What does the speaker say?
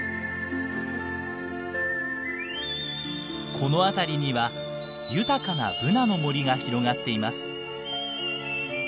この辺りには豊かなブナの森が広がっています。